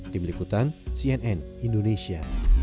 tim likutan cnn indonesia